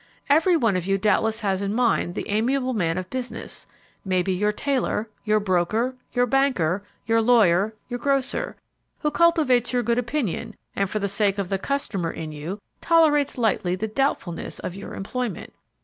Every one of you doubtless has in mind the amiable man of business maybe your tailor, your broker, your banker, your lawyer, your grocer who cultivates your good opinion, and for the sake of the customer in you tolerates lightly the doubtfulness of your employment.